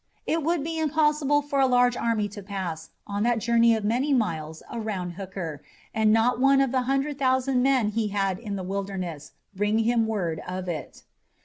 It would be impossible for a large army to pass on that journey of many miles around Hooker and not one of the hundred thousand men he had in the Wilderness bring him a word of it.